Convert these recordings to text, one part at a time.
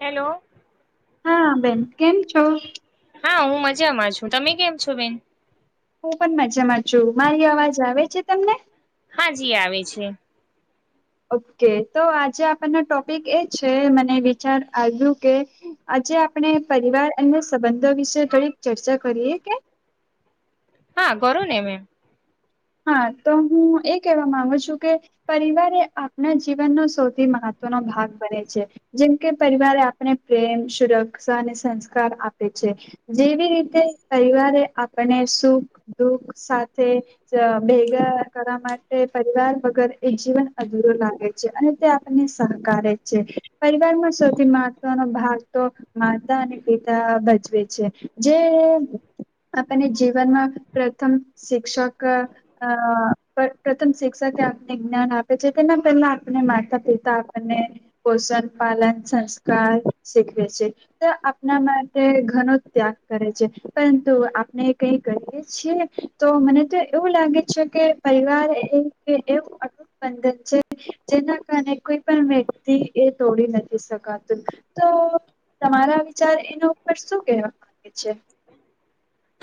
Hello હા બેન કેમ છો હા હું મજામાં છું તમે કેમ છો બેન હું પણ મજામાં છું મારી અવાજ આવે છે તમને હા જી આવે છે ઓકે તો આજે આપણને ટોપિક એ છે મને વિચાર આવ્યું કે આજે આપણે પરિવાર અને સંબંધો વિશે થડીક ચર્ચા કરીએ કે હા ગર ને મેમ હા તો હું એ કેહેવા મામાંગુ છું કે પરિવારે એ આપના જીવનનો સૌથી મહત્વ નો ભાગ બને છે જેમ કે પરિવારે આપને પ્રેમ સુરક્ષા અને સંસ્કાર આપે છે જેવી રીતે પરિવારે આપને સુખ દુઃખ સાથે ભેગા કરવા માટે પરિવાર વગર એ જીવન અધૂરોું લાગે છે અને તે આપણને સહક છે પરિવારમાં સૌથી મહત્વનો ભાગ તો માતા અને પિતા ભજવે છે જે આપણને જીવનમાં પ્રથમ શિક્ષક પ્રથમ શિક્ષ આપને જ્ઞાન આપે છે તેના પહેલા આપને માતા પિતા આપને પોષણ પાલન સંસ્કાર શીખવે છે તો આપણા માટે ઘણ જ ત્યાગ કરે છે પરંતુ આપણે કઈ કરીએ છીએ તો મને તો એવું લાગે છે કે પરિવાર એ એવું અટુટ બંધન છે જેના કારણે કો પણ વ્યક્તિ એ તોડી નથી શકાતું તો તમારા વિચાર એના ઉપર શું કહેવા માંગે છે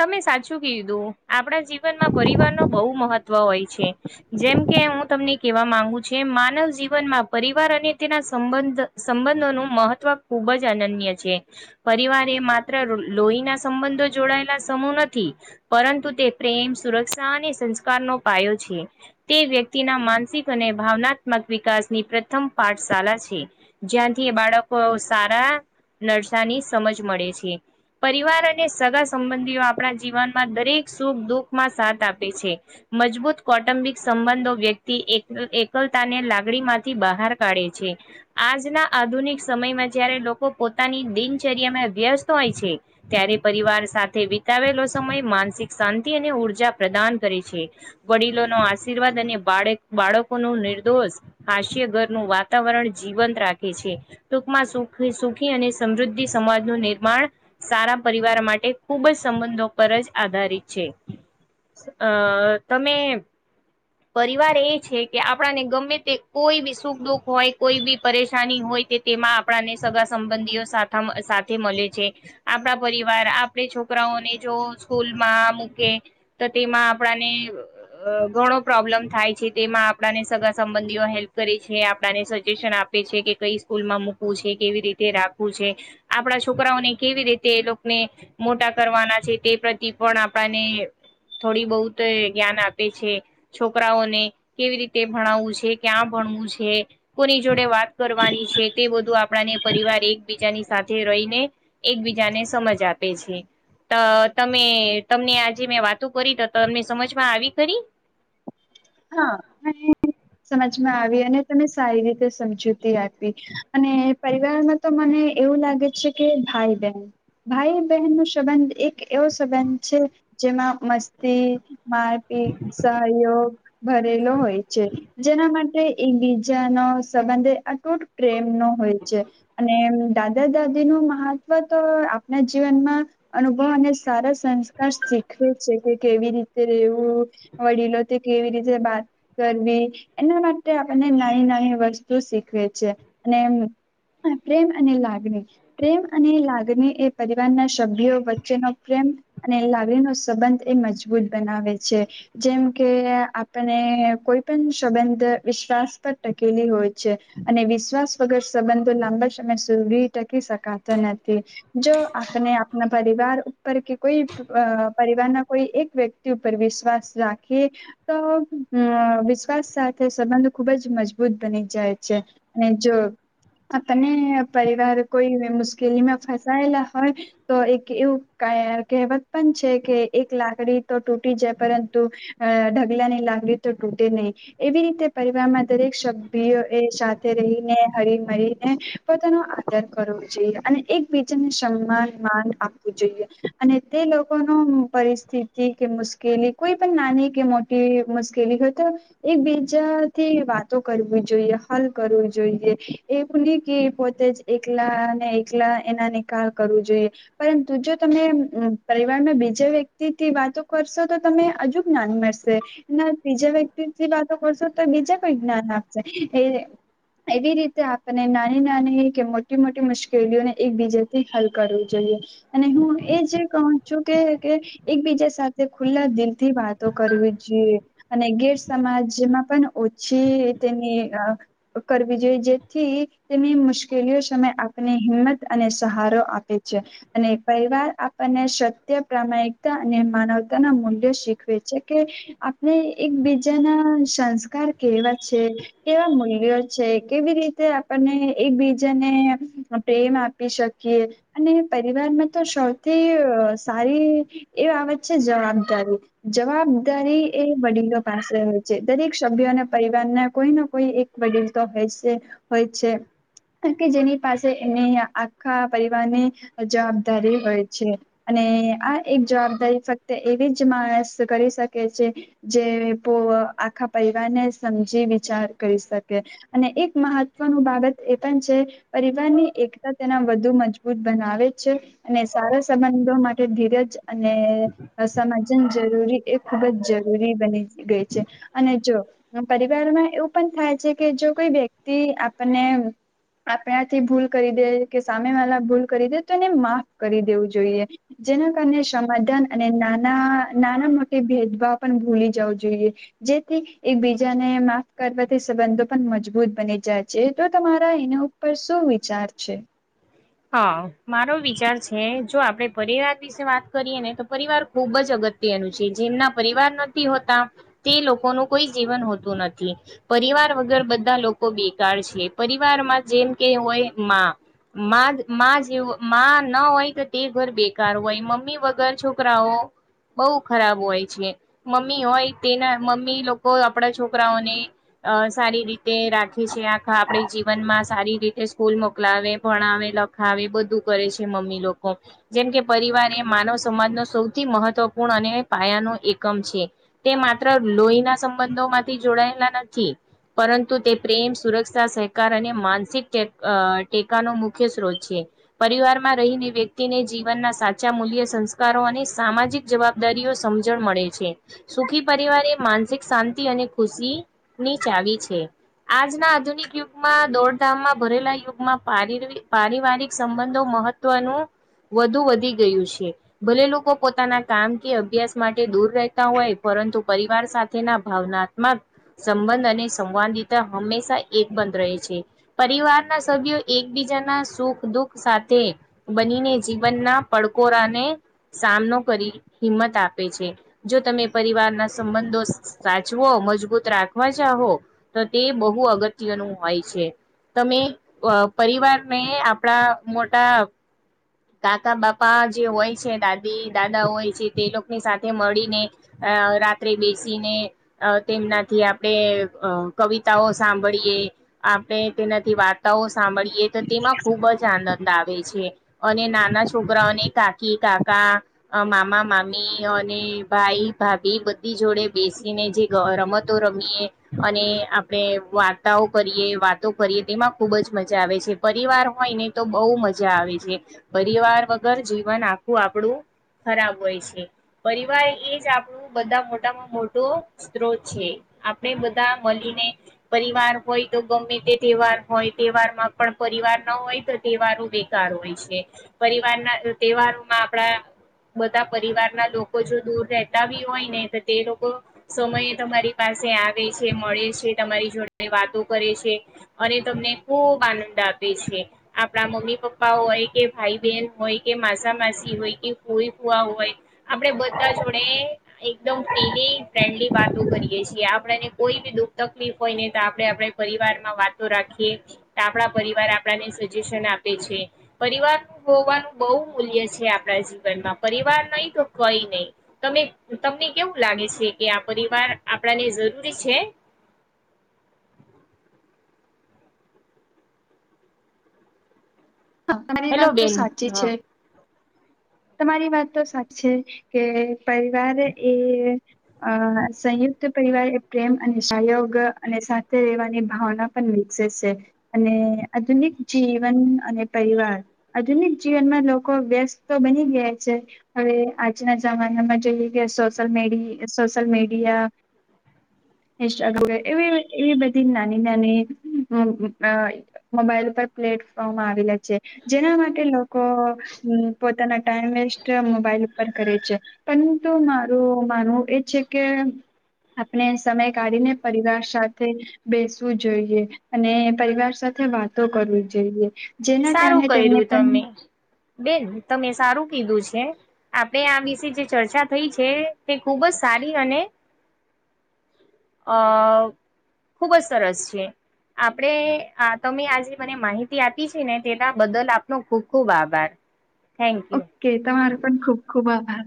તમે સાચું કીધું આપણા જીવનમાં પરિવાર ન બહુ મહત્વ હોય છે જેમ કે હું તમને કહેવા માંગુ છ માનવ જીવનમાં પરિવાર અને તેના સંબંધોનું મહત્વ ખૂબ જ અનન્ય છે પરિવારે એ માત્ર લોહીના સંબંધો જોડાયેલા સમૂ નથી પરંતુ તે પ્રેમ સુરક્ષા અને સંસ્કાર નો પાયો છે તે વ્યક્તિ તેના માનસિક અને ભાવનાત્મક વિકાસની પ્રથમ પાઠશાળા છે જ્યાંથી બાળક વ સારા નરસાાની સમજ મળે છે પરિવાર અને સગા સંબંધ ધી આપણા જીવનમાં દરેક સુખ દુઃખમાં સાથ આપે છે મજબૂત કૌટુંબિક સંબંધો તો વ્યક્તિ એક એકલતા ને લાગડી માંથી બહાર કાઢે છે આજના આધુનિક સમયમાં જયારે લોકો પોતાની દિનચર્યામાં વ્યસ્ત હોય છે ત્યારે પરિવાર સાથે આવેલો સમય માનસિક શાંતિ અને ઉર્જા પ્રદાન કરે છે. વડીલો નો આશીર્વાદ અને બાળક બાળકોનું નિર્દોષ હાસ્ય ઘર નું વાતાવરણ જીવંત રાખે છે તો સુખી અને સમૃદ્ધિ સમાજનું નિર્માણ સારા પરિવાર માટે ખૂબ જ સંબંધો પર જ આધારિત છે અ તમે પરિવાર એ છે કે આપણાને ગમે તે કોઈ બી સુખ દુઃખ હોય કોઈ બી પરેશાની હોય તેમાં આપણાને સગા સંબંધીઓ સાથા સાથે મળે છે આપણા પરિવાર આપણે છોક રાઓને જો સ્કૂલમાં મૂકે તો તેમાં આપણાને ગ ગણો પ્રોબ્લેમ થાય છે તેમાં આપણાને સગા સંબંધીઓ હેલ્પ કરે છે આપણને સજેશન આપે છે કે કઈ સ્કૂલમાં મૂકવું છે કેવી રીતે રાખવું છે આપડા છોકરાઓને કેવી રીતે એ લોકોને મોટા કરવાના છે તે પ્રતિ પણ આપણને થોડી બહુત જ્ઞાન આપે છે. છોકરાઓને કેવી રીતે ભણાવવું છે ક્યાં ભણવું છે કોની જોડે વાત કરવાની છે. તે બધું આપણાને પરિવાર એકબીજાની સાથે રહીને એકબીજાને સમજ આપે છે. તો તમે તમને આજે મેં વાતો કરી તો તમને સમજમાં આવી ખરિ? હા. સમજમાં આવી અને તમે સારી રીતે સમજૂતી આપી અને પરિવારમાં તો મને એવું લાગે છે કે ભાઈ બહેન ભાઈ બહેન નો સંબંધ એક એવો સંબંધ છે જેમાં મસ્તી, મારપી સહયોગ ભરેલો હોય છે જેના માટે એકબીજાનો સંબંધ અતૂટ પ્રેમનો હોય છે. અને દાદા દાદી નું મહત્વ તો આપણા જીવનમાં અનુભવ સારા સંસ્કાર શીખવે છે. કે કેવી રીતે રવું વડીલો તે કેવી રીતે ત કરવી એના માટે આપણને નાની નાની વસ્તુ શીખવે છે અને હા પ્રેમ અને લાગણી પ્રેમ અને લાગણી એ પરિવારના સભ્યો વચ્ચેનો પ્રેમ અને લાગણીનો સંબંધ એ મજબૂત બનાવે છે જેમ કે અને કોઈ પણ સંબંધ વિશ્વાસ પર ટકેલી હોય છે અને વિશ્વાસ વગર સંબંધો લાંબા સમય સુધી ટકી શકાતા નથી. જો આપણે આપના પરિવાર ઉપ કે કોઈ પરિવારના કોઈ એક વ્યક્તિ ઉપર વિશ્વાસ રાખી તો અ વિશ્વાસ સાથે સંબંધ ખુબ જ મજબૂત બની જાય છે. અને જો આપને પરિવાર કોઈ મુશ્કેલીમાં ફસાયેલા હોય તો એક એવું કહેવત પણ છે કે એક લાકડી તો તૂટી જાય પરંતુ અ [unintelligible] લાગની તો તૂટે નહી એવી રીતે પરિવારમાં દરેક સભ્ય એ સાથે રહીને હળી મળીને ને પોતાનો આદર કરવો જોઈએ અને એકબીજાને સમાન માન આપવ જોઈએ અને તે લોકો ન પરિસ્થિતિ કે મુશ્કેલી કોઈ પણ નાની કે મોટી કી મુશ્કેલી હોય તો એકબીજાથી વાતો કરવી જોઈએ હલ કરવું જોઈએ. એવું નહી કે પોતે જ એકલા ને એકલા એના નિકાલ કરવું જોઈએ પરંતુ ત જો તમે પરિવારમાં બીજા વ્યક્તિથી વાતો કરશો તો તને અજુક જ્ઞાન મળશે. ના ત્રીજા વ્યક્તિથી વાતો કરશો તો બીજા કોઈ જ્ઞાન આપશે એ એવી રીતે આપણે નાની નાની કે મોટી મોટી મુશ્ક કિલીઓ ખેડીઓને એકબીજા થી હલ કરવું જોઈએ અને હું એ જે કહું શું કે એકબીજા સાથે ખુલ્લા દિલથી વાતો કરવી. જી અને ગેર સમાજમાં પણ ઓછી તેની કરવી જોઈ જેથી તેની મુશ્કેલીઓ શમય આપને હિંમત અને સહારો આપે છે અને પરિવાર આપણને સત્ય પ્રમાણિકતા અને માનવતા ના મૂલ્યો શીખવે છે કે આપણે એકબીજાના સંસ્કાર કેવા છે કેવા મૂલ્યો છે કેવી રી તે આપને એકબીજાને પ્રેમ આપી શકીએ અને પરિવારમાં તો સૌથી સારી એ બાબત છે જવાબદારી જવાબદારી એ વડીલો પાસે હોય છે દરેક સભ્યો અને પરિવારના કોઈને કોઈ એક વડીલ તો હો છે. હોય છે. કે જેની પાસે એની આખા પરિવારની, જવાબદારી હોય છે, અને અને આ એક જવાબદારી ફક્ત એવી જ માણસ કરી શકે છે. જે આખા પરિવારને સમજી વિચાર કરી શકે, અને એક મહત્વ ત્વ બાબત એ પણ છે, પરિવાર ની એકતા તેના વધુ મજબૂત બનાવે છે, અને સારા સંબંધો માટે ધીરજ અને સમાજન જરૂરી એ ખુબ જ જરૂ- જરી બની ગઈ છે, અને જો પરિવારમાં એવું પણ થાય છે કે જો કોઈ વ્યક્તિ આપને આપણાથી ભૂલ કરી દે કે સામે વાળા ભૂલ કરી દે તો એને માફ કરી દેવું જોઈએ. જેના કારણે સમાધાન અને નાના નાના મોટી ભેદભાવ ભૂલી જવું જોઈએ, જેથી એકબીજાને માફ કરવાથી સંબંધો પણ મજબૂત બને. જા છે તો તમારા એના ઉપર શું વિચાર છે? હા મારો વિચાર છે જો આપડે પરિવાર વિશે વાત કરીએ ને તો પરિવાર ખુબ જ અગત તિયાં જેમના પરિવાર નથી હોતા, તે લોકોનું કોઈ જીવન હોતું નથી, પરિ પરિવાર વગર બધા લોકો બેકારળ છે પરિવારમાં જેમ કે હોય માં, માં માં જેવું ના હોય તો તે ઘર બેકાર હોય મમ્મી વગર છોકરાઓ બહુ ખરાબ હોય છે, મમ્મી હોય તેના મમ્મી લોકો આપડા છોકરાઓને અ સારી રીતે તે રાખે છે આખા આપણી જીવન માં સારી રીતે સ્કૂલ મોકલાવે ભણાવે ખ એ બધું કરે છે મમ્મી લોકો, જેમ કે પરિવાર એ માનવ સમાજ ન સૌથી મહત્વપૂર્ણ અને પાયા ન એકમ છે, તે માત્ર લોહીના સંબંધો માંથી જોડાયેલા નથી. પરંતુ તે પ્રેમ સુરક્ષા સહકાર અને માનસિક ટેકાનો મુખ્ય સ્ત્રોત છે, પરિવારમાં રહીને વ્યક્તિને જીવનના સાચા મૂલ્ય સંસ્કારો અને સામાજિક જવાબ દયો સમજણ મળે છે, સુખી પરિવારે એ માનસિક શાંતિ અને ખુશી ની ચા વી છે, આજના આધુનિક યુગમાં દોડધામમાં ભરેલા યુગમાં પારિવારિક સંબંધો મહત્વનું વધુ વધી ગયું છે, ભલે લોકો પોતાના કામ કે અભ્યાસ માટે દૂર રહેતા હોય પણ પરંતુ પરિવાર સાથેના ભાવનાત્મક સંબંધ અને સંવાદિતા હંમેશા એક બન છે, પરિવાર ના સભ્યો એકબીજાના સુખ દુઃખ સાથે, બનીને જીવનના પડકોરાને સામનો કરી હિંમત આપે છે, જો તમે પરિવાર ના સંબંધો સાચવો મજબૂત રાખવા ચહો. તો તે બહુ અગત્યનું હોય છે, તમે પરિવારને આપડા મોટા કાકા બાપા જે હોય છે દાદી દાદા હોય છે તે લોકોની સાથે મળીને રાત્રે બેસીને તેમનાથી આપડણે કવિતાઓ સાંભળીએ. આપણે તેનાથી વાર્તાઓ સાંભળીએ તો તેમાં ખુબ જ આનંદ આવે છે. અને નાના છોકરાઓને કાકી કાકા, મામા મામી અને ભાઈ ભાભી બધી જોડે બેસીને જે રમતો રમીએ, અને આપણે વાર્તા કરીએ વાતો કરીએ તેમાં ખૂબ જ મજા આવે છે પરિવાર હોય ને તો બહુ મજા આવે છે. પરિવાર વગર જીવન આખું આપણું ખરાબ હોય છે, પરિવાર એ જ આપણું બધા મોટામાં મોટો સ્ત્રોત છે. આપણેે બધા મળીને પરિવાર હોય તો ગમે તે તહેવાર હોય તહેવાર માં પણ પરિવાર ન હોય તો તહેવારો બેકાર હોય છે, પરિવારના તહેવારોમાં આપડા બધા પરિવાર ના લોકો જો દૂર રહેતા બી હોય ને તો તે લોકો સમયે તમારી પાસે પાસે આવે છે મળે છે તમારી જોડે વાતો કરે છે, અને તમને ખુબ આનંદ આવે. આપે છે, આપણા મમ્મી પપ્પાઓ કે ભાઈ બહેન હોય કે માસા માસી હોય કે કોઈ ફુવા હોય. આપડે બધા જોડે એકદમ ફ્રીલી ફ્રેન્ડલી વાતો કરીએ છીએ. આપને કોઈ બી દુઃખ તકલીફ હોય ને તો આપડે આપણે પરિવાર માં વાતો રાખીએ, તો આપણા પરિવાર આપને સજેશન આપે છે પરિવાર ન હોવાનું બહુ મૂલ્ય છે આપણા જીવનમાં પરિવાર નહી તો કઈ નહી તમે તમને કેવું લાગે છે કે આ પરિવાર આપણાને જરૂરી છે [inaudible] હ તમારી હેલો વાત તો બેન સાચી હા છે તમારી વાતો સાચી છે કે પરિવાર એ અ સંયુક્ત પરિવાર એ પ્રેમ અને સહયોગ અને સાથે રહેવાની ભાવના પણ વિકસે છે અને આધુનિક જીવન અને પરિવાર આધુનિક જીવનમાં લોકો વ્યસ્ત તો બની ગયા છે હવે આજના જમાના માં જોએ કે સોશલ મિડિયા સોશલ મીડિયા એવી એવી બધી નાની નાની મોબાઈલ પર પ્લે [unintelligible] જેના માટે લોકો પોતાના ટાઈમ વેસ્ટ મોબાઈલ ઉપર કરે છે પરંતુ મારું માનવું એ છે કે આપણે સમય કાઢીને પરિવાર સાથે બેસવું જોઈએ અને પરિવાર સાથે સાથે વાતો કરવી જોઈએ જેના સારું કારણે તેમને કર્યું પણ તમે બેન તમે સારું દીધું છે આપણે આ વિશે જે ચર્ચા થઈ છે તે ખુબ જ સારી અને [inaudible] આ ખુબ જ સરસ છે આપણે તમે આજે મને માહિતી આપી ને તેના બદલ આપનો ખુબ ખુબ આભાર થેન્ક યુ ઓકે તમારો પણ ખુબ ખુબ આભાર